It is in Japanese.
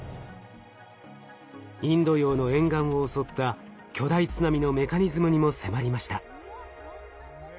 インド洋の沿岸を襲った巨大津波のメカニズムにも迫りました。